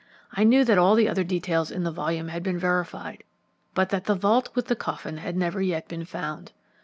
I knew that all the other details in the volume had been verified, but that the vault with the coffin had never yet been found.